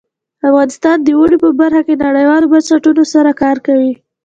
افغانستان د اوړي په برخه کې نړیوالو بنسټونو سره کار کوي.